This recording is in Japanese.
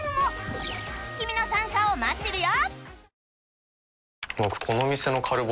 君の参加を待ってるよ！